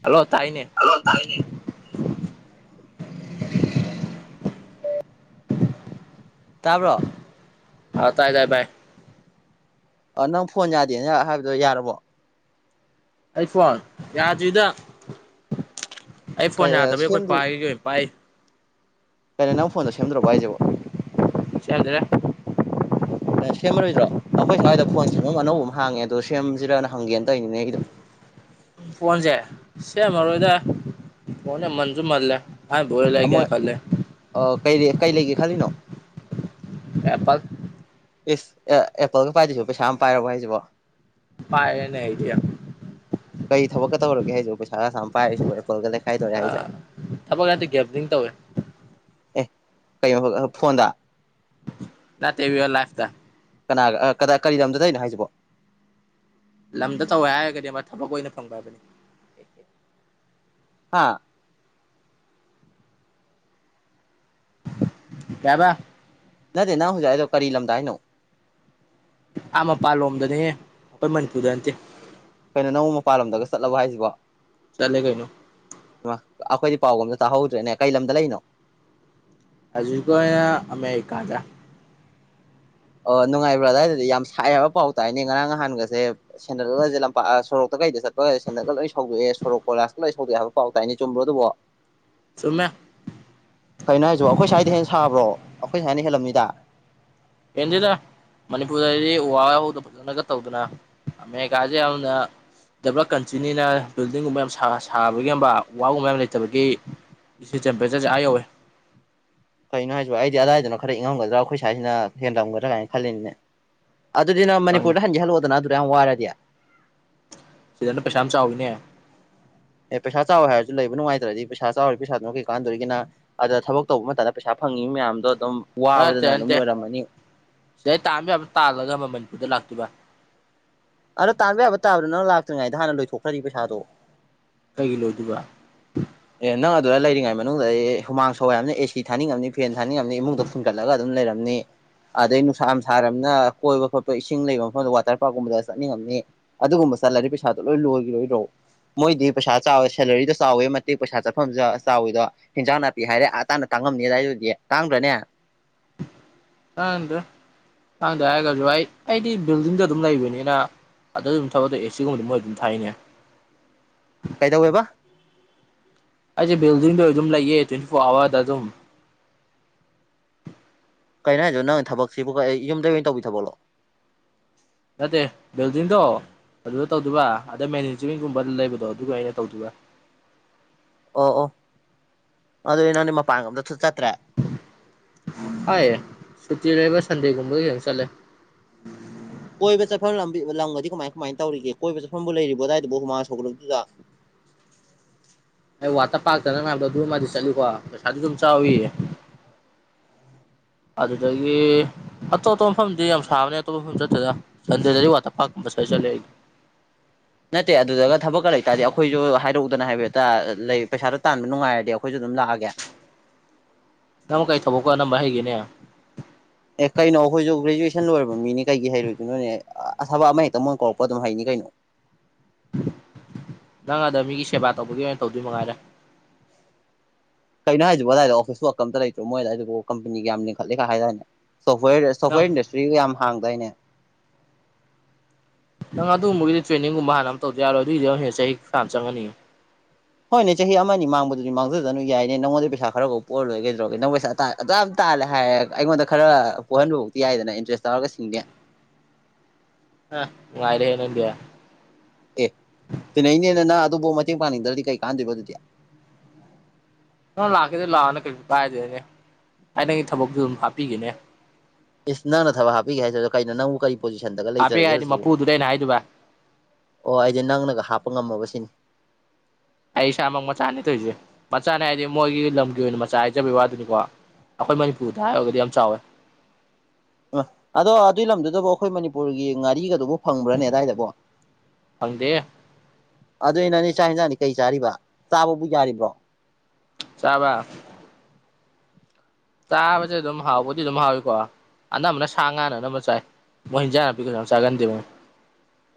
Hello ꯇꯥꯏꯅꯦ hello ꯇꯥꯏꯅꯦ ꯇꯕ꯭ꯔꯣ ꯑꯥ ꯇꯥꯏ ꯇꯥꯏ ꯚꯥꯏ ꯑ ꯅꯪ ꯐꯣꯟ ꯌꯥꯗꯦꯅ ꯍꯥꯏꯕꯗꯣ ꯌꯥꯔꯕꯣ ꯑꯩ ꯐꯣꯟ ꯌꯥꯗ꯭ꯔꯤꯗ ꯑꯩ ꯐꯣꯟ ꯌꯥꯗꯕꯩ ꯑꯩꯈꯣꯏ ꯁꯦꯝꯗꯨ ꯄꯥꯒꯤꯁꯦ ꯑꯣꯏ ꯄꯥꯏꯔꯤ ꯀꯩꯅꯣ ꯅꯪ ꯐꯣꯟꯗ ꯁꯦꯝꯗꯔ꯭ꯕꯣ ꯍꯥꯏꯁꯤꯕꯣ ꯁꯦꯝꯗꯔ꯭ꯦ [inaudible] ꯁꯦꯝꯃꯔꯣꯏꯗ꯭ꯔꯣ ꯑꯩꯈꯣꯏ ꯁ꯭ꯋꯥꯏꯗ ꯐꯣꯟ ꯁꯦꯝꯐꯝ ꯑꯅꯧꯕ ꯑꯃ ꯍꯥꯡꯉꯦ ꯑꯗꯣ ꯁꯦꯝꯁꯤꯔꯅ ꯍꯪꯒꯦꯅ ꯇꯧꯅꯤꯅꯦ ꯑꯩꯒꯤꯗꯣ ꯐꯣꯟꯁꯦ ꯁꯦꯝꯃꯔꯣꯏꯗ ꯐꯣꯟꯁꯦ ꯃꯜꯁꯨ ꯃꯜꯂꯦ [unintelligible] ꯑꯥ ꯀꯩ ꯀꯩ ꯂꯩꯒꯦ ꯈꯜꯂꯤꯅꯣ ꯑꯦꯄꯜ ꯏꯁ ꯑꯦ ꯑꯦꯄꯜꯒ ꯄꯥꯏꯗꯨꯏꯁꯤ ꯄꯩꯁꯥ ꯑꯝ ꯄꯥꯏꯔꯕꯣ ꯍꯥꯏꯁꯤꯕꯣ ꯄꯥꯏꯔꯦꯅꯦ ꯑꯩꯗꯤ ꯀꯩ ꯊꯥꯕꯛꯀ ꯇꯧꯔꯒꯦ ꯍꯥꯏꯁꯤꯕꯣ ꯄꯩꯁꯥꯒ ꯑꯁꯥꯝ ꯄꯥꯏꯔꯤꯁꯤꯕꯣ ꯑꯦꯄꯜꯒ ꯂꯩ ꯊꯕꯛ ꯅꯠꯇꯦ ꯒꯦꯝꯕꯂꯤꯡ ꯇꯧꯌꯦ ꯑꯦ ꯀꯩ [unintelligible] ꯐꯣꯟꯗ ꯅꯠꯇꯦ ꯔꯤꯑꯜ ꯂꯥꯏꯞꯇ ꯀꯅꯥꯒ ꯑꯩ ꯀꯗꯥꯏ ꯀꯔꯤ ꯂꯝꯗ ꯇꯩꯅꯣ ꯍꯥꯏꯁꯤꯕꯣ ꯂꯝꯗ ꯇꯧꯋꯦ ꯍꯥꯏꯔꯒꯗꯤ ꯑꯃ ꯊꯕꯛ ꯑꯣꯏꯅ ꯐꯪꯕ ꯍꯥꯏꯕꯅꯤ ꯍꯥꯥ ꯀꯩ ꯍꯥꯏꯕ ꯅꯠꯇꯦ ꯅꯪ ꯍꯧꯖꯤꯛ ꯍꯥꯏꯗꯣ ꯀꯔꯤ ꯂꯝꯗ ꯍꯥꯏꯅꯣ ꯑꯥ ꯃꯄꯥꯟꯂꯣꯝꯗꯅꯦ ꯑꯩꯈꯣꯏ ꯃꯅꯤꯄꯨꯔꯗ ꯅꯠꯇꯦ ꯀꯩꯅꯣ ꯅꯪꯕꯨ ꯃꯄꯥꯟꯂꯣꯝꯗꯒ ꯆꯠꯂꯕ ꯍꯥꯏꯁꯤꯕꯣ ꯆꯠꯂꯦ ꯀꯩꯅꯣ ꯍꯩꯃ ꯑꯩꯈꯣꯏꯗꯤ ꯄꯥꯎꯒ ꯑꯝꯇ ꯇꯥꯍꯧꯗ꯭ꯔꯦꯅꯦ ꯀꯩ ꯂꯝꯗ ꯂꯩꯔꯤꯅꯣ ꯍꯧꯖꯤꯛꯀꯤ ꯑꯣꯏꯅ ꯑꯃꯦꯔꯤꯀꯥꯗ ꯑꯣ ꯅꯨꯡꯉꯥꯏꯕ꯭ꯔꯥ ꯑꯗꯥꯏꯗꯗꯤ ꯌꯥꯝ ꯁꯥꯏ ꯍꯥꯏꯕ ꯄꯥꯎ ꯇꯥꯏꯅꯦ ꯉꯔꯥꯡ ꯅꯍꯥꯟꯒꯁꯦ ꯁꯦꯟꯗꯜꯒꯖꯦ ꯂꯝꯄꯥꯛ ꯁꯣꯔꯣꯛꯇ ꯀꯩꯗ ꯆꯠꯄꯒꯖꯦ ꯁꯦꯟꯗꯜꯒ ꯂꯣꯏ ꯁꯧꯗꯣꯛꯑꯦ ꯁꯣꯔꯣꯛ ꯀꯣꯏꯂꯥꯁꯀ ꯂꯣꯏ ꯁꯗꯣꯛꯑꯦ ꯍꯥꯏꯕ ꯄꯥꯎ ꯇꯥꯏꯅꯦ ꯆꯨꯝ꯭ꯕꯔꯣ ꯑꯗꯨꯕꯣ [inaudible] ꯆꯨꯝꯃꯦ ꯀꯩꯅꯣ ꯍꯥꯏꯁꯤꯕꯣ ꯑꯩꯈꯣꯏ ꯁ꯭ꯋꯥꯏꯗꯩꯩ ꯍꯦꯟꯅ ꯁꯥꯕ꯭ꯔꯣ ꯑꯩꯈꯣꯏ ꯁꯋꯥꯏꯅ ꯍꯦꯟꯂꯝꯅꯤꯗ ꯍꯦꯟꯗꯦꯗ ꯃꯅꯤꯄꯨꯔꯗꯗꯤ ꯎ ꯋꯥ [unintelligible] ꯐꯖꯅꯒ ꯇꯧꯗꯅ ꯑꯃꯦꯔꯤꯀꯥꯁꯦ ꯌꯥꯝꯅ ꯗꯦꯕꯂꯞ ꯀꯟꯇ꯭ꯔꯤꯅꯤꯅ ꯕꯤꯜꯗꯤꯡꯒꯨꯝꯕ ꯌꯥꯝ ꯁꯥ ꯁꯥꯕꯒꯤ ꯎ ꯋꯥ ꯒꯨꯝꯕ ꯃꯌꯥꯝ ꯂꯩꯇꯕꯒꯤ ꯁꯤ ꯇꯦꯝꯄꯔꯦꯆꯔꯁꯦ ꯑꯥ ꯌꯧꯋꯦ ꯀꯩꯅꯣ ꯍꯥꯏꯁꯤꯕꯣ ꯑꯩꯗꯤ ꯑꯗꯥꯏꯗꯅ ꯈꯔ ꯏꯪꯉꯝꯒꯗ꯭ꯔꯥ ꯑꯩꯈꯣꯏ꯭ꯁꯋꯥꯏꯁꯤꯅ ꯍꯦꯟꯂꯝꯒꯗꯔꯅ ꯈꯜꯂꯤꯅꯤꯅꯦ ꯑꯗꯨꯗꯤ ꯅꯪ ꯃꯅꯤꯄꯨꯔꯗ ꯍꯟꯒꯦ ꯍꯜꯂꯛꯑꯣꯗꯅ ꯑꯗꯨꯗ ꯌꯥꯝ ꯋꯥꯔꯗꯤ ꯁꯤꯗꯅ ꯄꯩꯁꯥ ꯌꯥꯝ ꯆꯥꯎꯋꯤꯅꯦ ꯑꯦ ꯄꯩꯁꯥ ꯆꯥꯎꯌꯦ ꯍꯥꯏꯔꯁꯨ ꯂꯩꯕ ꯅꯨꯡꯉꯥꯏꯇꯔ꯭ꯗꯤ ꯄꯩꯁꯥ ꯆꯥꯎꯔꯤꯕ ꯄꯩꯁꯥꯗꯨꯅ ꯀꯩ ꯀꯥꯟꯅꯗꯧꯔꯤꯒꯦ ꯅꯪ ꯑꯗ ꯊꯕꯛ ꯇꯧꯕ ꯃꯇꯝꯗ ꯄꯩꯁꯥ ꯐꯪꯉꯤ ꯃꯌꯥꯝꯗꯣ ꯑꯗꯨꯝ ꯑꯥ ꯅꯠꯇꯦ ꯋꯥꯕꯗꯅ ꯑꯗꯨꯝ ꯅꯠꯇꯦ ꯂꯣꯏꯔꯝꯃꯅꯤ ꯁꯤꯗꯩ ꯇꯥꯥꯟꯕ ꯌꯥꯕ ꯇꯥꯜꯂꯒ ꯑꯃ ꯃꯅꯤꯄꯨꯔꯗ ꯂꯥꯛꯇꯣꯏꯕ ꯑꯗ ꯇꯥꯟꯕ ꯌꯥꯕ ꯇꯥꯟꯂꯁꯨ ꯅꯪ ꯂꯥꯛꯇ꯭ꯔꯤꯉꯩꯗꯥ ꯍꯥꯟꯅ ꯂꯣꯏꯊꯣꯛꯈꯔꯗꯤ ꯄꯩꯁꯥꯗꯣ ꯀꯩꯒꯤ ꯂꯣꯏꯗꯨꯏꯕ ꯑꯦ ꯅꯪ ꯑꯗꯨꯗ ꯂꯩꯔꯤꯉꯩ ꯃꯅꯨꯡꯗꯗꯤ ꯍꯨꯃꯥꯡ ꯁꯧꯏ ꯍꯥꯏꯕꯅꯤꯅ ꯑꯦ ꯁꯤ ꯊꯥꯅꯤꯡꯉꯝꯅꯤ ꯐꯦꯟ ꯊꯥꯅꯤꯡꯉꯝꯅꯤ ꯏꯃꯨꯡꯗꯣ ꯐꯨꯟꯒꯠꯂꯒ ꯑꯗꯨꯝ ꯂꯩꯔꯝꯅꯤ ꯑꯗꯩ ꯅꯨꯡꯁꯥ ꯌꯥꯝ ꯁꯥꯔꯕꯅꯤꯅ ꯀꯣꯏꯕ ꯈꯣꯠꯄ ꯏꯁꯤꯡ ꯂꯩꯕ ꯃꯐꯝꯗ ꯋꯥꯇꯔ ꯄꯥꯔꯛꯀꯨꯝꯕꯗ ꯆꯠꯅꯤꯡꯉꯝꯅꯤ ꯑꯗꯨꯒꯨꯝꯕ ꯆꯠꯂꯔꯤ ꯄꯩꯁꯥꯗꯣ ꯂꯣꯏ ꯂꯣꯏꯒꯤ ꯔꯣꯏꯗꯔꯣ ꯃꯣꯏꯗꯤ ꯄꯩꯁꯥ ꯆꯥꯎꯋꯦ ꯁꯦꯂꯔꯤꯗ ꯆꯥꯎꯋꯦ ꯃ... ꯃꯇꯤꯛ ꯄꯩꯁꯥ ꯆꯠꯐꯝꯁꯨ ꯆꯥꯎꯋꯤꯗꯣ ꯍꯤꯟꯖꯥꯡ ꯅꯥꯄꯤ ꯍꯥꯏꯔꯦ ꯑꯥ ꯇꯥꯟꯅ ꯇꯥꯡꯉꯝꯅꯤ ꯑꯗꯥꯏꯗꯨꯗꯤ ꯇꯥꯡꯗ꯭ꯔꯅꯦ ꯇꯥꯪꯗꯦꯗ ꯇꯥꯡꯗꯦ ꯍꯥꯏꯔꯒꯁꯨ ꯑꯩ ꯑꯩꯗꯤ ꯕꯤꯜꯗꯤꯡꯗ ꯑꯗꯨꯝ ꯂꯩꯕꯅꯤꯅ ꯑꯗ ꯑꯗꯨꯝ ꯊꯕꯛ [unintelligible] ꯑꯦ ꯁꯤ ꯒꯨꯝꯕꯗꯤ ꯃꯣꯏ ꯑꯗꯨꯝ ꯊꯥꯏꯅꯦ ꯀꯩꯗꯧꯋꯦꯕ ꯑꯩꯗꯤ ꯕꯤꯜꯗꯤꯡꯗ ꯑꯗꯨꯝ ꯂꯩꯌꯦ ꯇ꯭ꯋꯦꯟꯇꯤ ꯐꯣꯔ ꯑꯋꯥꯔꯗ ꯑꯗꯨꯝ ꯀꯩꯅꯣ ꯍꯥꯏꯁꯤꯕꯣ ꯅꯪ ꯊꯕꯛꯁꯤꯕꯨ ꯀꯩ ꯌꯨꯝꯗꯩ ꯑꯣꯏꯅ ꯇꯧꯕꯤ ꯊꯕꯛꯂꯣ ꯅꯠꯇꯦ ꯕꯤꯜꯗꯤꯡꯗꯣ ꯑꯗꯨꯗ ꯇꯧꯗꯨꯕ ꯑꯗ ꯃꯦꯅꯦꯆꯤꯡꯒꯨꯝꯕ ꯂꯩꯕꯗꯣ ꯑꯗꯨꯒ ꯑꯩꯅ ꯇꯧꯗꯨꯏꯕ ꯑꯣ ꯑꯣ ꯑꯗꯨꯗꯤ ꯅꯪꯗꯤ ꯃꯄꯥꯟꯒ ꯑꯝꯇꯁꯨꯠ ꯆꯠꯇ꯭ꯔꯦ ꯍꯣꯏ ꯁꯨꯇꯤ ꯂꯩꯕ ꯁꯟꯗꯦꯒꯨꯝꯕꯗ ꯑꯣꯏꯅ ꯆꯠꯂꯦ ꯀꯣꯏꯕ ꯆꯠꯐꯝ ꯂꯝꯕꯤ ꯂꯝꯒꯗꯤ ꯀꯃꯥꯏ ꯀꯃꯥꯏꯅ ꯇꯧꯔꯤꯒꯦ ꯀꯣꯏꯕ ꯆꯠꯐꯝꯕꯨ ꯂꯩꯔꯤꯕꯣ ꯑꯗꯨꯋꯥꯏꯗꯨꯕꯨ ꯍꯨꯃꯥ ꯁꯧꯒꯠꯂꯕꯗꯨꯗ ꯑꯩ ꯋꯥꯇꯔ ꯄꯥꯛꯇꯅ ꯅꯪꯅ ꯍꯥꯏꯕꯗꯣ ꯑꯗꯨ ꯃꯥꯗꯤ ꯆꯠꯂꯤꯀꯣ ꯄꯩꯁꯥꯗꯤ ꯑꯗꯨꯝ ꯆꯥꯎꯏ [inaudible] ꯑꯗꯨꯗꯒꯤ ꯑꯇꯣꯞꯄ ꯃꯐꯝꯗꯤ ꯌꯥꯝ ꯁꯥꯕꯅꯦ ꯑꯇꯣꯞꯄ ꯃꯐꯝ ꯆꯠꯇꯗꯅ ꯁꯟꯗꯦꯗꯗꯤ ꯋꯥꯇꯔ ꯄꯥꯛꯛꯀꯨꯝꯕ ꯁ꯭ꯤꯗꯩ ꯆꯠꯂꯦ ꯅꯠꯇꯦ ꯑꯗꯨꯗꯒ ꯊꯕꯛꯀ ꯂꯩꯇꯥꯥꯔꯗꯤ ꯑꯩꯈꯣꯏꯁꯨ ꯍꯥꯏꯔꯛꯎꯗꯅ ꯍꯥꯏꯐꯦꯠꯇ ꯂꯩ ꯄꯩꯁꯥꯗꯣ ꯇꯥꯟꯕ ꯅꯨꯡꯉꯥꯏꯔꯗꯤ ꯑꯩꯈꯣꯏꯁꯨ ꯑꯗꯨꯝ ꯂꯥꯛꯑꯒꯦ ꯅꯪꯕꯨ ꯀꯩ ꯊꯕꯛꯄꯨ ꯑꯥꯅꯝꯕ ꯍꯩꯒꯦꯅꯦ ꯑꯦ ꯀꯩꯅꯣ ꯑꯩꯈꯣꯏꯁꯨ ꯒ꯭ꯔꯦꯖꯨꯋꯦꯁꯟ ꯂꯣꯏꯔꯕ ꯃꯤꯅꯤ ꯀꯩꯒꯤ ꯍꯩꯔꯣꯏꯗꯣꯏꯅꯣꯅꯦ ꯑꯊꯕꯛ ꯑꯃ ꯍꯦꯛꯇ ꯃꯣꯏ ꯀꯧꯔꯛꯄ ꯑꯗꯨꯝ ꯍꯩꯅꯤ ꯀꯩꯅꯣ ꯅꯪ ꯑꯗ ꯃꯤꯒꯤ ꯁꯦꯕꯥ ꯇꯧꯕꯒꯤ ꯑꯣꯏꯅ ꯇꯧꯗꯣꯏ ꯃꯉꯥꯏꯔꯦ ꯀꯩꯅꯣ ꯍꯥꯏꯖꯤꯕꯨ ꯑꯗꯨꯋꯥꯏꯗ ꯑꯣꯐꯤꯁ ꯋꯥꯛꯀ ꯑꯝꯇ ꯂꯩꯇ꯭ꯔꯣ ꯃꯣꯏꯗ ꯑꯗꯨꯕꯨ ꯀꯝꯄꯅꯤꯒ ꯌꯥꯝ ꯂꯤꯡꯈꯠꯂꯦꯀꯥꯏ ꯍꯥꯏꯗꯥꯏꯅꯦ ꯁꯣꯐꯋꯦꯔ ꯅꯪ ꯁꯣꯐꯋꯦꯔ ꯏꯟꯗꯁꯇ꯭ꯔꯤꯒ ꯌꯥꯝ ꯍꯥꯡꯗꯏꯅꯦ ꯅꯪ ꯑꯗꯨꯨꯝꯕꯒꯤꯗꯤ ꯇ꯭ꯔꯦꯅꯤꯡꯒꯨꯝꯕ ꯍꯥꯟꯅ ꯑꯃ ꯇꯧꯗ ꯌꯥꯔꯣꯏ ꯑꯗꯨꯏꯒꯤꯗ ꯍꯡ ꯆꯍꯤ ꯐꯅꯥ ꯌꯥꯝꯅ ꯆꯪꯉꯅꯤꯌꯦ ꯍꯣꯏꯅꯦ ꯆꯍꯤ ꯑꯃꯅꯤ ꯃꯥꯡꯕꯗꯨꯗꯤ ꯃꯥꯡꯖ ꯖꯅꯨ ꯌꯥꯏꯅꯦ ꯅꯉꯣꯟꯗ ꯄꯩꯁꯥ ꯈꯔꯐꯥꯎ ꯄꯨꯔ ꯂꯣꯏꯔꯦ ꯀꯩꯗꯧꯔꯒ ꯅꯪ ꯄꯩꯁꯥ ꯇ ꯑꯗꯨ ꯌꯥꯝ ꯇꯥꯜꯂꯦ ꯍꯥꯏꯔꯦ ꯑꯩꯉꯣꯟꯗ ꯈꯔ ꯄꯣꯛꯍꯟꯕꯕꯧꯇꯤ ꯌꯥꯏꯗꯅ ꯏꯟꯇꯔꯦꯁ ꯇꯧꯔꯒ ꯁꯤꯡꯒꯦ ꯑ ꯅꯨꯪꯉꯥꯏꯔꯦꯍꯦ ꯅꯪꯗꯤ ꯑꯦ ꯇꯤꯅꯩꯅꯦꯅ ꯅꯪ ꯑꯗꯨꯕꯧ ꯃꯇꯦꯡ ꯄꯥꯡꯅꯤꯡꯗ꯭ꯔꯗꯤ ꯀꯩ ꯀꯥꯟꯅꯗꯣꯏꯕ ꯑꯗꯨꯗꯤ ꯅꯪ ꯂꯥꯛꯀꯦꯁꯨ ꯂꯥꯛꯑꯣꯅꯦ ꯀꯩꯁꯨ ꯀꯥꯏꯗꯦꯅꯦ ꯑꯩ ꯅꯪꯒꯤ ꯊꯕꯛꯇꯨ ꯑꯗꯨꯝ ꯍꯥꯞꯄꯤꯒꯦꯅꯦ ꯏꯁ ꯅꯪꯅ ꯊꯕꯛ ꯍꯥꯞꯄꯤꯒꯦ ꯍꯥꯏꯖꯦ ꯀꯩꯅꯣ ꯅꯪꯕꯨ ꯀꯩ ꯍꯥꯞꯄꯦ ꯍꯥꯏꯗꯤ ꯃꯄꯨꯗꯨꯗ ꯑꯩꯅ ꯍꯥꯏꯗꯨꯕ ꯑꯣ ꯑꯩꯗꯤ ꯅꯪꯅꯒ ꯍꯥꯞꯄ ꯉꯝꯃꯕ ꯁꯤꯅꯤ ꯑꯩ ꯏꯁꯥꯃꯛ ꯃꯆꯥꯅꯦ ꯇꯣꯏꯔꯤꯁꯦ ꯃꯆꯥꯅꯦ ꯍꯥꯏꯗꯤ ꯃꯣꯏꯒꯤ ꯂꯝꯒꯤ ꯑꯣꯏꯅ ꯃꯆꯥ ꯍꯥꯏꯖꯕꯒꯤ ꯋꯥꯗꯨꯅꯤꯀꯣ ꯑꯩꯈꯣꯏ ꯃꯅꯤꯄꯨꯔꯗ ꯍꯥꯏꯔꯒꯗꯤ ꯌꯥꯝ ꯆꯥꯎꯋꯦ ꯑ ꯑꯗꯣ ꯑꯗꯨꯏ ꯂꯝꯗꯨꯗꯕꯨ ꯑꯩꯈꯣꯏ ꯃꯅꯤꯄꯨꯔꯒꯤ ꯉꯥꯔꯤꯒꯗꯨꯕꯨ ꯐꯪꯕ꯭ꯔꯅꯦ ꯑꯗꯨꯋꯥꯏꯗꯕꯣ ꯐꯪꯗꯦ ꯑꯗꯨꯏ ꯅꯪꯗꯤ ꯆꯥꯛ ꯌꯦꯟꯁꯥꯡꯗꯤ ꯀꯩ ꯆꯥꯔꯤꯕ ꯆꯥꯕꯕꯨ ꯌꯥꯔꯤꯕ꯭ꯔꯣ ꯆꯥꯕ ꯆꯥꯕꯁꯦ ꯑꯗꯨꯝ ꯍꯥꯎꯕꯨꯗꯤ ꯑꯗꯨꯝ ꯍꯥꯎꯏꯀꯣ ꯑꯅꯝꯕꯅ ꯁꯥ ꯉꯥꯅꯅ ꯑꯅꯝꯕꯅꯥ ꯆꯥꯏ ꯃꯣꯏ ꯏꯖꯥꯡ ꯅꯄꯤ ꯀꯅꯥꯝ ꯆꯒꯥꯟꯗꯦꯕ [unintelligible]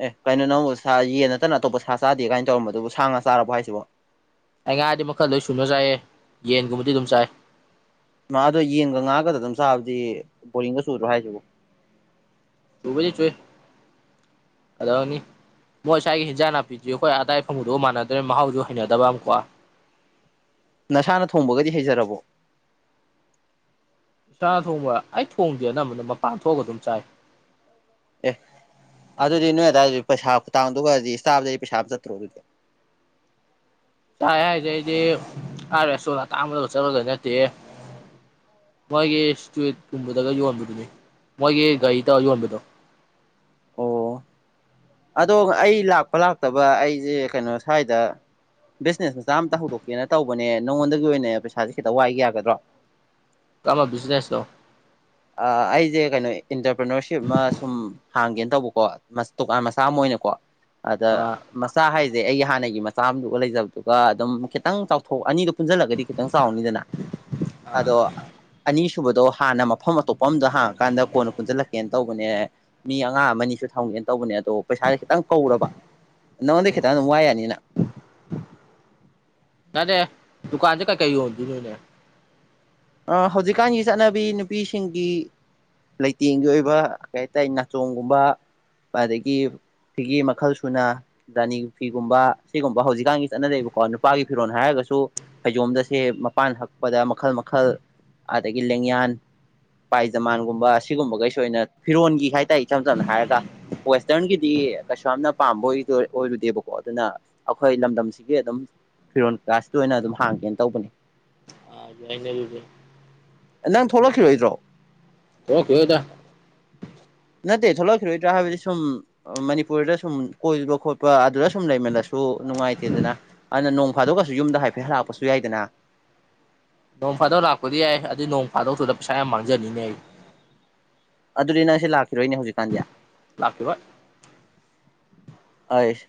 ꯑꯦ ꯀꯩꯅꯣ ꯅꯪꯕꯨ ꯁꯥ ꯌꯦꯟ ꯅꯠꯇꯅ ꯑꯇꯣꯞꯄ ꯁꯥ ꯆꯥꯗꯦ ꯀꯥꯏꯅ ꯇꯧꯔꯝꯕ ꯑꯗꯨꯕꯨ ꯁꯥ ꯉꯥ ꯆꯥꯔꯕꯣ ꯍꯥꯏꯁꯤꯕꯣ ꯑꯩ ꯉꯥꯗꯤ ꯃꯈꯜ ꯂꯣꯏ ꯁꯨꯅ ꯆꯥꯏꯌꯦ ꯌꯦꯟꯒꯨꯝꯕꯗꯤ ꯑꯗꯨꯝ ꯆꯥꯏ ꯃꯥ ꯑꯗꯣ ꯌꯦꯟꯒ ꯉꯥꯒꯗ ꯑꯗꯨꯝ ꯆꯥꯕꯗꯤ ꯕꯣꯔꯤꯡꯒ ꯆꯨꯗ꯭ꯔꯣ ꯍꯥꯏꯁꯤꯕꯣ ꯆꯨꯕꯨꯗꯤ ꯆꯨꯏ ꯀꯩꯗꯧꯔꯨꯅꯤ ꯃꯣꯏ ꯁꯋꯥꯒꯤ ꯍꯤꯟꯖꯥꯡ ꯅꯥꯄꯤꯁꯤꯖ ꯑꯩꯈꯣꯏ ꯑꯗꯥꯏ ꯐꯪꯕꯗꯨꯒ ꯃꯥꯟꯅꯗ꯭ꯔꯦ ꯃꯍꯥꯎꯁꯨ ꯍꯩꯅꯗꯕ ꯑꯃꯀꯣ ꯅꯁꯥꯅ ꯊꯣꯡꯕꯒꯗꯤ ꯍꯩꯖꯔꯕꯣ ꯏꯁꯥ ꯊꯣꯡꯕ ꯑꯩ ꯊꯣꯡꯗꯦ ꯑꯅꯝꯕꯅ ꯃꯄꯥꯟ ꯊꯣꯛꯑꯒ ꯑꯗꯨꯝ ꯆꯥꯏ ꯑꯦ ꯑꯗꯨꯗꯤ ꯅꯣꯏ ꯑꯗꯨꯋꯥꯏꯗꯤ ꯄꯩꯁꯥ ꯈꯨꯇꯥꯡꯗꯨꯒꯗꯤ ꯏꯁꯇꯥꯞꯗꯗꯤ ꯄꯩꯁꯥ ꯑꯃ ꯆꯠꯇ꯭ꯔꯣ ꯑꯗꯨꯗꯤ ꯆꯥꯏ ꯍꯥꯏꯁꯦ ꯑꯩꯗꯤ ꯐ꯭ꯔꯥꯏ ꯔꯥꯏꯁꯇꯣ ꯑꯇꯥꯕꯗꯒ ꯆꯠꯂꯨꯗꯣ ꯅꯠꯇꯦꯍꯦ ꯃꯣꯏꯒꯤ ꯏꯁꯇꯨꯋꯦꯠꯀꯨꯝꯕꯗꯒ ꯌꯣꯟꯕꯗꯨꯅꯤ ꯃꯣꯏꯒꯤ ꯒꯥꯔꯤ ꯇꯧꯔ ꯌꯣꯟꯕꯗꯣ ꯑꯣ ꯑꯗꯣ ꯑꯩ ꯂꯥꯛꯄ ꯂꯥꯛꯇꯕ ꯑꯩꯁꯦ ꯀꯩꯅꯣ ꯁ꯭ꯋꯥꯏꯗ ꯕꯤꯖꯤꯅꯦꯁ ꯃꯆꯥ ꯑꯃꯇ ꯍꯧꯗꯣꯛꯀꯦꯅ ꯇꯧꯕꯅꯦ ꯅꯉꯣꯟꯗꯒꯤ ꯑꯣꯏꯅ ꯄꯩꯁꯥꯥꯁꯦ ꯈꯤꯇ ꯋꯥꯏꯒꯦ ꯌꯥꯒꯗ꯭ꯔꯣ [inaudible] ꯀꯝꯕ ꯕꯤꯒꯤꯅꯦꯁ ꯅꯣ [inaudible] ꯑꯥ ꯑꯩꯁꯦ ꯀꯩꯅꯣ ꯏꯟꯇꯔꯄ꯭ꯔꯤꯅꯔꯁꯤꯞ ꯑꯃ ꯁꯨꯝ ꯍꯥꯡꯒꯦꯅ ꯇꯧꯕꯀꯣ ꯃꯥ ꯇꯣꯀꯥꯟ ꯆꯥꯃ ꯑꯣꯏꯅꯀꯣ ꯑꯗ ꯑꯥ ꯃꯆꯥ ꯍꯥꯏꯁꯦ ꯑꯩ ꯍꯥꯟꯅꯒꯤ ꯃꯆꯥ ꯑ ꯑꯃꯗꯨꯒ ꯂꯩꯖꯕꯗꯨꯒ ꯑꯗꯨꯝ ꯈꯤꯇꯪ ꯆꯥꯎꯊꯣꯛ ꯑꯅꯤꯗꯨꯣ ꯄꯨꯟꯖꯜꯂꯒꯗꯤ ꯈꯤꯇꯪ ꯆꯥꯎꯅꯤꯗꯅ ꯑꯗꯣ ꯑꯅꯤꯁꯨꯕꯗꯣ ꯍꯥꯟꯅ ꯃꯐꯝ ꯑꯇꯣꯞꯄ ꯑꯝꯗ ꯍꯥꯡꯉꯀꯥꯟꯗ ꯀꯣꯟꯅ ꯄꯨꯟꯁꯤꯜꯂꯛꯀꯦꯅ ꯇꯧꯕꯅꯦ ꯃꯤ ꯑꯉꯥꯡ ꯑꯃꯅꯤꯁꯨ ꯊꯝꯒꯦꯅ ꯇꯧꯕꯅꯦ ꯑꯗꯣ ꯄꯩꯁꯥꯥꯁꯦ ꯈꯤꯇꯪ ꯀꯧꯔꯕ ꯅꯉꯣꯟꯗꯩꯩ ꯈꯤꯇꯪ ꯑꯗꯨꯝ ꯋꯥꯏ ꯌꯥꯅꯤꯅ ꯇꯅꯦ ꯗꯨꯀꯥꯟꯁꯦ ꯀꯩꯀꯩ ꯌꯣꯟꯗꯣꯏꯅꯣꯏꯅꯦ ꯑ ꯍꯧꯖꯤꯛꯀꯥꯟꯒꯤ ꯆꯠꯅꯕꯤ ꯅꯨꯄꯤꯁꯤꯡꯒꯤ ꯂꯩꯇꯦꯡꯒꯤ ꯑꯣꯏꯕ ꯀꯩ ꯍꯥꯏꯇꯥꯔꯦ ꯅꯥꯆꯣꯡꯒꯨꯝꯕ ꯑꯗꯒꯤ ꯁꯤꯒꯤ ꯃꯈꯜ ꯁꯨꯅ ꯔꯥꯅꯤ ꯐꯤꯒꯨꯝꯕ ꯁꯤꯒꯨꯝꯕ ꯍꯧꯖꯤꯛꯀꯥꯟꯒꯤ ꯆꯠꯅꯔꯛꯏꯕꯥꯀꯣ ꯅꯨꯄꯥꯒꯤ ꯐꯤꯔꯣꯜ ꯍꯥꯏꯔꯒꯁꯨ ꯐꯩꯖꯣꯝꯗꯁꯦ ꯃꯄꯥꯟ ꯍꯛꯄꯗ ꯃꯈꯜ ꯃꯈꯜ ꯑꯗꯒꯤ ꯂꯦꯡꯌꯥꯟ ꯄꯥꯏꯖꯃꯥꯟꯒꯨꯝꯕ ꯁꯤꯒꯨꯝꯕꯈꯩꯁꯨ ꯑꯣꯏꯅ ꯐꯤꯔꯣꯟꯒꯤ ꯍꯥꯏꯇꯥꯔꯦ ꯏꯆꯝ ꯆꯝꯅ ꯍꯥꯏꯔꯒ ꯋꯦꯁꯇ꯭ꯔꯟꯒꯤꯗꯤ ꯀꯩꯁꯨ ꯌꯥꯝꯅ ꯄꯥꯝꯕ ꯑꯣꯏꯗꯨ ꯑꯣꯏꯔꯨꯗꯦꯕꯀꯣ ꯑꯗꯨꯅ ꯑꯩꯈꯣꯏ ꯂꯝꯗꯝꯁꯤꯒꯤ ꯑꯗꯨꯝ ꯐꯤꯔꯣꯜ ꯀꯥꯁꯤ ꯑꯣꯏꯅ ꯑꯗꯨꯝ ꯍꯥꯡꯒꯦꯅ ꯇꯧꯕꯅꯤ [unintelligible] ꯑꯥ ꯅꯪ ꯊꯣꯛꯂꯛꯈꯤꯔꯣꯏꯗ꯭ꯔꯣ ꯊꯣꯛꯂꯛꯈꯤꯔꯣꯏꯗꯥ ꯅꯠꯇꯦ ꯊꯣꯛꯂꯛꯈꯤꯔꯣꯏꯗ꯭ꯔꯥ ꯍꯥꯏꯕꯗꯤ ꯁꯨꯝ ꯑꯥ ꯃꯅꯤꯄꯨꯔꯗ ꯁꯨꯝ ꯀꯣꯏꯕ ꯈꯣꯠꯄ ꯑꯗꯨꯗ ꯁꯨꯝ ꯂꯩꯃꯜꯂꯁꯨ ꯅꯨꯡꯉꯥꯏꯇꯦꯗꯅ ꯑꯗꯨꯅ ꯅꯣꯡ ꯐꯥꯗꯣꯛꯒꯁꯨ ꯌꯨꯝꯗ ꯍꯥꯏꯐꯦꯠ ꯍꯜꯂꯛꯄꯁꯨ ꯌꯥꯏꯗꯅ ꯅꯣꯡ ꯐꯥꯗꯣꯛ ꯂꯥꯛꯄꯗꯤ ꯌꯥꯏ ꯑꯗꯨ ꯅꯣꯡ ꯐꯥꯗꯣꯛꯇꯨꯗ ꯄꯩꯁꯥ ꯌꯥꯝ ꯃꯥꯡꯖꯅꯤꯅꯦ ꯑꯩ ꯑꯗꯨꯗꯤ ꯅꯪꯁꯤ ꯂꯥꯛꯈꯤꯔꯣꯏꯅꯦ ꯍꯧꯖꯤꯛꯀꯥꯟꯗꯤ ꯂꯥꯛꯈꯤꯔꯣꯏ [inaudible] ꯑꯩꯁ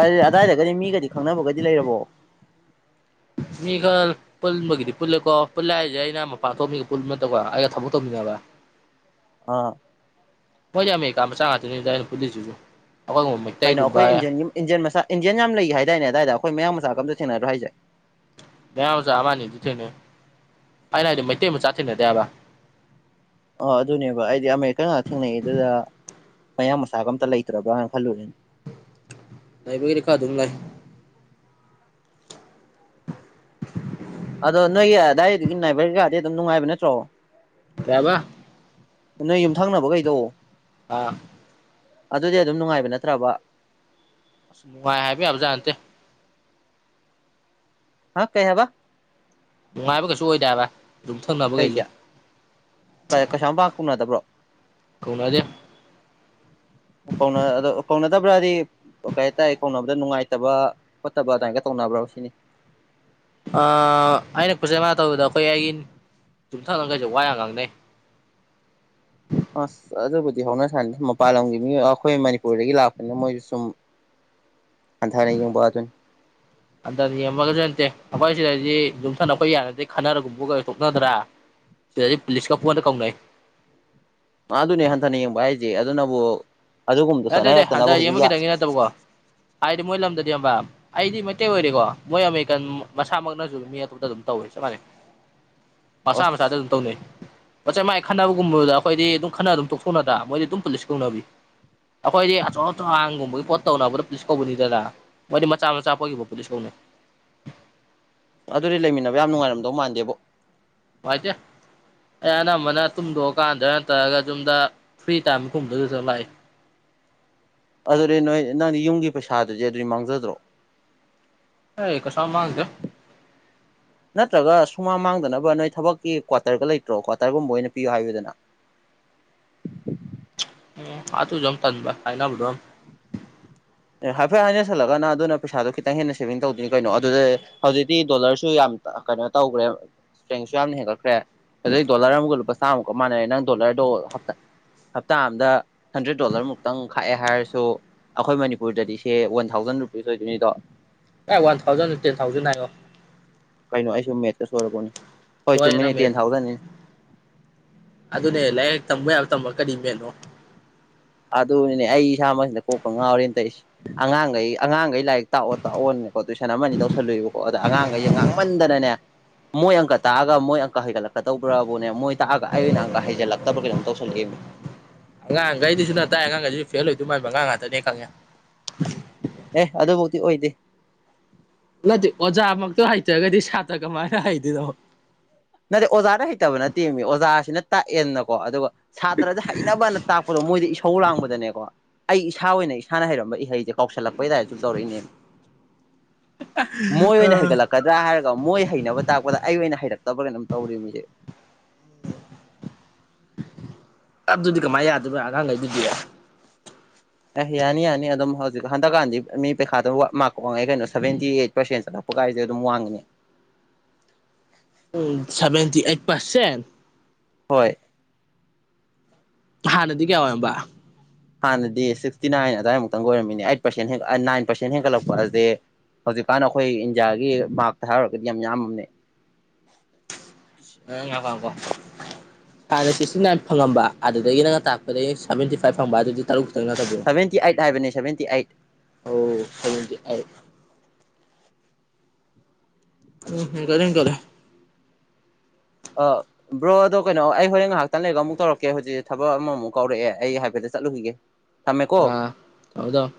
ꯑꯥ ꯑꯗꯥꯏꯗꯒꯗꯤ ꯃꯤꯒꯗꯤ ꯈꯪꯅꯕꯒꯗꯤ ꯂꯩꯔꯕꯣ ꯃꯤꯈꯜ ꯄꯨꯟꯕꯒꯤꯗꯤ ꯄꯨꯜꯂꯦꯀꯣ ꯄꯨꯜꯂꯦ ꯍꯥꯏꯁꯦ ꯑꯩꯅ ꯃꯄꯥꯟ ꯊꯣꯛꯑꯥꯒꯥ ꯃꯤꯒ ꯄꯨꯟꯕ ꯅꯠꯇꯕꯥꯥ ꯑꯩꯒ ꯊꯕꯛ ꯇꯧꯃꯤꯟꯅꯕ ꯑꯥ ꯃꯣꯏꯗꯤ ꯑꯃꯦꯔꯤꯀꯥ ꯃꯆꯥ ꯉꯥꯛꯇꯅꯤꯗ ꯑꯩꯅ ꯄꯨꯜꯂꯤꯁꯤꯁꯨ [unintelligible] ꯀꯩꯅꯣ ꯑꯩꯈꯣꯏ ꯏꯟꯗꯤꯌꯟ ꯏꯟꯗꯤꯌꯟ ꯃꯆꯥ ꯏꯟꯗꯤꯌꯟ ꯌꯥꯝ ꯂꯩ ꯍꯥꯏꯗꯥꯏꯅꯦ ꯑꯗꯥꯏꯗꯥ ꯑꯩꯈꯣꯏ ꯃꯌꯡ ꯃꯆꯥꯒꯥ ꯑꯝꯇ ꯊꯦꯡꯅꯗ꯭ꯔꯣ ꯍꯥꯏꯖꯦ ꯃꯥꯌꯥꯡ ꯃꯆꯥ ꯑꯃꯥ ꯑꯅꯤꯗꯤ ꯊꯦꯡꯅꯩ ꯑꯩꯅ ꯍꯥꯏꯗꯤ ꯃꯩꯇꯩ ꯃꯆꯥ ꯊꯦꯡꯅꯗꯦ ꯍꯥꯏꯕꯥ ꯑ ꯑꯗꯨꯅꯦꯕ ꯑꯩꯗꯤ ꯑꯃꯦꯔꯤꯀꯥꯟ ꯉꯥꯛ ꯊꯦꯡꯅꯩ ꯑꯗꯨꯗ ꯃꯌꯥꯡ ꯃꯆꯥꯒ ꯑꯝꯇ ꯂꯩꯇ꯭ꯔꯕꯔꯥ ꯈꯜꯂꯨꯔꯦ ꯂꯩꯕꯒꯤꯗꯤ ꯈꯔ ꯑꯗꯨꯝ ꯂꯩ ꯑꯗꯣ ꯅꯣꯏꯒꯤ ꯑꯗꯥꯏꯗꯨꯗꯤ ꯅꯥꯏꯕꯔ ꯀꯩꯀꯥꯗꯤ ꯑꯗꯨꯝ ꯅꯨꯡꯉꯥꯏꯕ ꯅꯠꯇ꯭ꯔꯣ ꯀꯩ ꯍꯥꯏꯕ ꯅꯣꯏ ꯌꯨꯝꯊꯪꯅꯕꯒꯩꯗꯣ ꯑꯥ ꯑꯗꯨꯗꯤ ꯑꯗꯨꯝ ꯅꯨꯡꯉꯥꯏꯕ ꯅꯠꯇ꯭ꯔꯕ ꯅꯨꯡꯉꯥꯏ ꯍꯥꯏꯕ ꯌꯥꯕꯖꯥꯠ ꯅꯠꯇꯦ ꯍꯥ ꯀꯩ ꯍꯥꯏꯕꯥ ꯅꯨꯡꯉꯥꯏꯕ ꯀꯩꯁꯨ ꯑꯣꯏꯗꯦ ꯍꯥꯏꯕꯥ ꯌꯨꯝꯊꯪꯅꯕꯈꯩꯁꯦ ꯀꯩ ꯀꯩꯁꯥꯝ ꯄꯥꯛ ꯀꯧꯅꯗꯕ꯭ꯔꯣ ꯀꯧꯅꯗꯦ ꯀꯧꯅ ꯑ ꯀꯧꯅꯗꯕ꯭ꯔꯥꯗꯤ ꯀꯩ ꯍꯥꯏꯇꯥꯥꯔꯦ ꯀꯧꯅꯕꯗ ꯅꯨꯡꯉꯥꯏꯇꯕ ꯈꯣꯠꯇꯕ ꯑꯗꯨꯃꯥꯏꯒ ꯇꯧꯅꯕ꯭ꯔꯣ ꯁꯤꯅꯤ ꯑ ꯑꯩꯅꯥ ꯀꯣꯆꯤꯡ ꯀꯩꯀꯥ ꯇꯧꯕꯗꯥ ꯑꯩꯈꯣꯏ ꯑꯩꯒꯤ ꯌꯨꯝꯊꯪꯅꯕꯥꯈꯩꯁꯦ ꯋꯥ ꯌꯥꯝ ꯉꯥꯡꯅꯩ [unintelligible] ꯑꯁ ꯑꯗꯨꯕꯨꯗꯤ ꯍꯧꯅ ꯁꯥꯅꯤ ꯃꯄꯥꯟ ꯂꯝꯒꯤ ꯃꯤ ꯑꯩꯈꯣꯏ ꯃꯅꯤꯄꯨꯔꯗꯒꯤ ꯂꯥꯛꯄꯅꯤꯅ ꯃꯣꯏꯁꯨ ꯁꯨꯝ ꯍꯥꯟꯊꯥꯅꯥ ꯌꯦꯡꯕꯗꯨꯅꯤ ꯍꯟꯊꯅꯥ ꯌꯦꯡꯕꯒꯥ ꯅꯠꯇꯦ ꯑꯩꯈꯣꯏ ꯒꯤ [unintelligible] ꯌꯨꯝꯊꯪꯅꯕꯒꯩ ꯌꯥꯅꯗ꯭ꯔꯥꯗꯤ ꯈꯠꯅꯥꯔꯒꯨꯝꯕꯒ ꯐꯨꯔꯥ ꯇꯣꯛꯅꯗ꯭ꯔꯥ ꯁꯤꯗꯗꯤ ꯄꯨꯂꯤꯁꯀ ꯄꯨꯡꯀꯧꯗ ꯀꯧꯅꯩ ꯃꯥ ꯑꯗꯨꯅꯦ ꯍꯟꯊꯅ ꯌꯦꯡꯕ ꯍꯥꯏꯁꯦ ꯑꯗꯨꯅꯕꯨ ꯑꯗꯨꯒꯨꯝꯕꯗ ꯅꯠꯇꯦ ꯅꯠꯇꯦ ꯆꯠꯅꯔꯛꯇꯅꯕ ꯍꯟꯗꯛ ꯍꯧꯖꯤꯛ ꯌꯦꯡꯕ ꯌꯥ ꯈꯤꯇꯪꯒꯤ ꯅꯠꯇꯕꯀꯣ ꯍꯥꯏꯗꯤ ꯃꯣꯏ ꯂꯝꯗꯗꯤ ꯈꯉꯕꯥ ꯑꯩꯗꯤ ꯃꯩꯇꯩ ꯑꯣꯏꯔꯗꯤꯀꯣ ꯃꯣꯏ ꯑꯃꯦꯔꯤꯀꯥꯟ ꯃꯁꯥꯃꯛꯅꯁꯨꯝ ꯃꯤ ꯑꯇꯣꯞꯄꯗ ꯑꯗꯨꯝ ꯇꯧꯋꯦ ꯆꯞ ꯃꯥꯟꯅꯩ [inaudible] ꯃꯁꯥꯅꯥ ꯃꯁꯥꯗ ꯑꯗꯨꯝ ꯇꯧꯅꯩ ꯃꯆꯥꯏ ꯃꯥꯏ ꯈꯟꯅꯕꯒꯨꯝꯕꯗ ꯑꯩꯈꯣꯏꯗꯤ ꯑꯗꯨꯝ ꯈꯠꯅꯥꯔꯥ ꯑꯗꯨꯝ ꯇꯣꯛꯊꯣꯛꯅꯗ꯭ꯔ ꯃꯣꯏꯗꯤ ꯑꯗꯨꯝ ꯄꯨꯂꯤꯁ ꯀꯧꯅꯕꯤ ꯑꯩꯈꯣꯏꯗꯤ ꯑꯆꯧ ꯑꯆꯥꯡꯒꯨꯝꯕꯒꯤ ꯄꯣꯠ ꯇꯧꯅꯕꯗ ꯄꯨꯂꯤꯁ ꯀꯧꯕꯅꯤꯗꯅ ꯃꯣꯏꯗꯤ ꯃꯆꯥ ꯃꯆꯥ ꯄꯣꯠꯀꯤꯕꯧ ꯄꯨꯂꯤꯁ ꯀꯧꯅꯩ ꯑꯗꯨꯗꯤ ꯂꯩꯃꯤꯟꯅꯕ ꯌꯥꯝ ꯅꯨꯡꯉꯥꯏꯔꯝꯗꯧ ꯃꯥꯟꯗꯦꯕꯣ ꯅꯨꯡꯉꯥꯏꯇꯦ ꯑꯩ ꯑꯅꯝꯕꯅ ꯇꯨꯝꯗꯣꯀꯥꯟꯗ ꯅꯠꯇꯔꯒ ꯌꯨꯝꯗ ꯐ꯭ꯔꯤ ꯇꯥꯏꯝ ꯒꯨꯝꯕꯗꯨꯗ ꯂꯥꯛꯏ꯫ ꯑꯗꯨꯗꯤ ꯅꯣꯏ ꯅꯪꯗꯤ ꯌꯨꯝꯒꯤ ꯄꯩꯁꯥꯗꯨꯗꯤ ꯑꯗꯨꯗꯤ ꯃꯥꯡꯖꯗ꯭ꯔꯣ꯫ ꯍꯩ ꯀꯩꯁꯨꯌꯝ ꯃꯥꯥꯡꯗꯦ [inaudible] ꯅꯠꯇ꯭ꯔꯒ ꯁꯨꯃꯥꯡ ꯃꯥꯡꯗꯅꯕ ꯅꯣꯏ ꯊꯕꯛꯀꯤ ꯀ꯭ꯋꯥꯇꯔꯒ ꯂꯩꯇ꯭ꯔꯣ ꯀ꯭ꯋꯥꯇꯔꯒꯨꯝꯕ ꯑꯣꯏꯅ ꯄꯤꯌꯨ ꯍꯥꯏꯌꯨꯗꯅ꯫ ꯎꯝ ꯑꯗꯨꯖꯨ ꯑꯃꯨꯛ ꯇꯟꯕ ꯍꯥꯏꯅꯕꯗꯣꯝ ꯑꯦ ꯍꯥꯏꯐꯦꯠ ꯍꯥꯏꯅꯁꯜꯂꯒ ꯅꯪ ꯑꯗꯨꯅ ꯄꯩꯁꯥꯗꯣ ꯈꯤꯇꯪ ꯍꯦꯟꯅ ꯁꯦꯕꯤꯡ ꯇꯧꯗꯨꯏꯅꯤ ꯀꯩꯅꯣ ꯑꯗꯨꯗ ꯌꯦ ꯍꯧꯖꯤꯛꯇꯤ ꯗꯣꯂꯔꯁꯨ ꯌꯥꯝ ꯑ ꯀꯩꯅꯣ ꯇꯧꯒ꯭ꯔꯦ ꯍꯦꯟꯁꯨ ꯌꯥꯝꯅ ꯍꯦꯟꯒꯠꯈ꯭ꯔꯦ꯫ ꯍꯧꯖꯤꯛ ꯗꯣꯂꯔ ꯑꯃꯒ ꯂꯨꯄꯥ ꯆꯥꯝꯃꯨꯛꯀ ꯃꯥꯟꯅꯔꯦ ꯅꯪ ꯗꯣꯂꯔꯗꯣ ꯍꯞꯇ ꯍꯞꯇꯥ ꯑꯝꯗ ꯍꯟꯗ꯭ꯔꯦꯠ ꯗꯣꯂꯔ ꯃꯨꯛꯇꯪ ꯈꯥꯛꯑꯦ ꯍꯥꯏꯔꯁꯨ ꯑꯈꯣꯏ ꯃꯅꯤ ꯄꯨꯔꯗꯗꯤ ꯁꯦ ꯋꯥꯟ ꯊꯥꯎꯖꯟ ꯔꯨꯄꯤꯁ ꯑꯣꯏꯗꯨꯏꯅꯤꯗꯣ꯫ ꯀꯥꯏ ꯋꯥꯟ ꯊꯥꯎꯖꯟꯅꯣ ꯇꯦꯟ ꯊꯥꯎꯖꯟ ꯍꯥꯏꯌꯣ꯫ ꯀꯩꯅꯣ ꯑꯩꯁꯤꯕꯨ ꯃꯦꯠꯀꯥ ꯁꯣꯏꯔꯕꯣꯅꯦ꯫ ꯍꯣꯏ ꯁꯣꯏꯔꯦ ꯆꯨꯝꯃꯤꯅꯦ ꯅꯪ ꯇꯦꯟ ꯃꯦꯠ ꯊꯥꯎꯖꯟꯅꯤ ꯑꯗꯨꯅꯦ ꯂꯥꯏꯍꯦꯛ ꯇꯝꯕ ꯌꯥꯕ ꯇꯝꯃ ꯀꯔꯤ ꯃꯦꯠꯅꯣ꯫ ꯑꯗꯨꯅꯤꯅꯦ ꯑꯩ ꯏꯁꯥꯃꯛꯁꯤꯅꯥ ꯀꯣꯛꯀ ꯉꯥꯎꯔꯦꯟ ꯇꯩꯁꯤ- ꯑꯉꯥꯡꯒꯩ ꯑꯉꯥꯡꯒꯩ ꯂꯥꯏꯔꯤꯛ ꯇꯥꯛꯑꯣ ꯇꯥꯛꯑꯣꯅꯦꯀꯣ ꯇꯨꯏꯁꯟ ꯑꯃꯅꯤ ꯇꯧꯁꯜꯂꯨꯏꯕꯀꯣ ꯑꯗ ꯑꯉꯥꯡꯒꯩꯖꯦ ꯉꯥꯡ ꯃꯟꯗꯅꯅꯦ ꯃꯣꯏ ꯑꯪꯀ ꯇꯥꯛꯑꯒ ꯃꯣꯏ ꯑꯪꯀ ꯍꯩꯒꯠꯂꯛ ꯀꯇꯧꯕ꯭ꯔꯥꯕꯨꯅꯦ ꯃꯣꯏ ꯇꯥꯛꯑꯒ ꯑꯩ ꯑꯣꯏꯅ ꯑꯪꯀ ꯍꯩꯖꯜꯂꯛꯇꯕ꯭ꯔ ꯀꯩꯅꯣꯝ ꯇꯧꯁꯜꯂꯛꯑꯦꯃꯤ꯫ ꯑꯉꯥꯡꯒꯩꯗꯨꯖꯨ ꯅꯪꯅ ꯇꯥꯛꯢ ꯑꯉꯥꯡꯒꯩꯗꯨꯖꯨ ꯐꯦꯜ ꯑꯣꯏꯗꯧ ꯃꯥꯟꯕ ꯑꯉꯥꯡꯉꯥꯛꯇꯅꯦ ꯈꯪꯉꯦ꯫ ꯑꯦ ꯑꯗꯨꯕꯧꯗꯤ ꯑꯣꯏꯗꯦ ꯅꯠꯇꯦ ꯑꯣꯖꯥꯃꯛꯇꯣ ꯍꯩꯇ꯭ꯔꯒꯗꯤ ꯁꯥꯇ꯭ꯔ ꯀꯃꯥꯏꯅ ꯍꯩꯗꯨꯢꯅꯣ꯫ ꯅꯠꯇꯦ ꯑꯣꯖꯥꯅ ꯍꯩꯇꯕ ꯅꯠꯇꯦꯃꯤ ꯑꯣꯖꯥꯁꯤꯅ ꯇꯥꯛꯑꯦꯅꯀꯣ ꯑꯗꯨꯒ ꯁꯥꯇ꯭ꯔꯗ ꯍꯩꯅꯕꯅ ꯇꯥꯛꯄꯗꯣ ꯃꯣꯏꯗ ꯏꯁꯧ ꯂꯥꯡꯕꯗꯅꯦꯀꯣ ꯑꯩ ꯏꯁꯥ ꯑꯣꯏꯅ ꯏꯁꯥꯅ ꯍꯩꯔꯝꯕ ꯏꯍꯩꯖꯦ ꯀꯥꯎꯁꯜꯂꯛꯄꯩ ꯇꯥꯏꯞ ꯁꯨꯝ ꯇꯧꯔꯏꯅꯦ꯫ ꯃꯣꯏ ꯑꯣꯏꯅ ꯍꯩꯒꯠꯂꯛꯀꯗ꯭ꯔꯥ ꯍꯥꯏꯔꯒ ꯃꯣꯏ ꯍꯩꯅꯕ ꯇꯥꯛꯄꯗ ꯑꯩ ꯑꯣꯏꯅ ꯍꯩꯔꯛꯇꯕ꯭ꯔꯥ ꯀꯩꯅꯣꯝ ꯇꯧꯔꯦꯃꯤ ꯁꯦ ꯑꯗꯨꯗꯤ ꯀꯃꯥꯏ ꯌꯥꯗꯨꯏꯕ ꯑꯉꯥꯡꯒꯩꯗꯨꯗꯤ꯫ ꯑꯦ ꯌꯥꯅꯤ ꯌꯥꯅꯤ ꯑꯗꯨꯝ ꯍꯧꯖꯤꯛ ꯍꯟꯗꯛꯀꯥꯟꯗꯤ ꯃꯤ ꯄꯩꯈꯥꯗ ꯃꯥꯛꯀ ꯋꯥꯡꯉꯛꯑꯦ ꯀꯩꯅꯣ ꯁꯕꯦꯟꯇꯤ ꯑꯦꯠ ꯄꯔꯁꯦꯟ ꯆꯠꯂꯦ ꯄꯒꯥꯏꯖꯦ ꯑꯗꯨꯝ ꯋꯥꯡꯉꯤꯅꯤ ꯎꯝ ꯁꯕꯦꯟꯇꯤ ꯑꯦꯠ ꯄꯥꯔꯁꯦꯟ ꯍꯣꯏ ꯍꯥꯟꯅꯗꯤ ꯀꯌꯥ ꯑꯣꯏꯔꯝꯕ꯫ ꯍꯥꯟꯅꯗꯤ ꯁꯤꯛꯁꯇꯤꯅꯥꯏꯟ ꯑꯗꯥꯏꯃꯨꯛꯇꯪ ꯑꯣꯏꯔꯝꯃꯤꯅꯦ ꯑꯩꯠ ꯄꯥꯔꯁꯦꯟ ꯍꯦꯟ ꯑ ꯅꯥꯏꯟ ꯄꯔꯁꯦꯟ ꯍꯦꯟꯀꯠꯂꯛꯄ ꯍꯥꯢꯁꯦ ꯍꯧꯖꯤꯛꯀꯥꯟ ꯑꯈꯣꯏ ꯏꯟꯗꯤꯌꯥꯒꯤ ꯃꯥꯛꯇ ꯍꯥꯏꯔꯨꯔꯒꯗꯤ ꯌꯥꯝ ꯌꯥꯝꯃꯝꯅꯦ꯫ ꯑꯥ ꯉꯥꯢꯈꯣꯉꯥꯢꯈꯣ ꯍꯥꯟꯅ ꯁꯤꯛꯁꯇꯤ ꯅꯥꯏꯟ ꯐꯪꯉꯝꯕ ꯑꯗꯨꯗꯒꯤ ꯅꯪꯅ ꯇꯥꯛꯄꯗꯒꯤ ꯁꯕꯦꯟꯇꯤ ꯐꯥꯏꯚ ꯐꯪꯕ ꯑꯗꯨꯗꯤ ꯇꯔꯨꯛ ꯈꯥꯇꯪ ꯅꯠꯇꯕ꯭ꯔꯣ ꯁꯦꯕꯦꯟꯇꯤ ꯑꯦꯠ ꯍꯥꯏꯕꯅꯦ ꯁꯦꯕꯦꯟꯇꯤ ꯑꯦꯠ ꯑꯣ ꯁꯦꯕꯦꯟꯇꯤ ꯑꯦꯠ ꯎꯝ ꯍꯦꯟꯒꯠꯂꯦ-ꯍꯦꯟꯒꯠꯂꯦ ꯑꯥ ꯕ꯭ꯔꯣ ꯑꯗꯣ ꯀꯩꯅꯣ ꯑꯩ ꯍꯣꯔꯦꯟ ꯉꯥꯍꯥꯛꯇꯪ ꯂꯩꯔꯒ ꯑꯃꯨꯛ ꯇꯧꯔꯛꯀꯦ ꯍꯧꯖꯤꯛ ꯊꯕꯛ ꯑꯃꯃꯨꯛ ꯀꯧꯔꯛꯑꯦ ꯑꯩ ꯍꯥꯏꯐꯦꯠꯇꯪ ꯆꯠꯂꯨꯈꯤꯒꯦ꯫ ꯊꯝꯃꯦꯀꯣ ꯑꯥ ꯊꯝꯃꯨ ꯊꯝꯃꯨ